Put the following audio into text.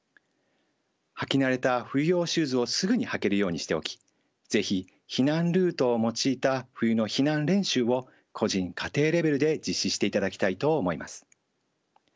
履き慣れた冬用シューズをすぐに履けるようにしておき是非避難ルートを用いた冬の避難練習を個人・家庭レベルで実施していただきたいと思います。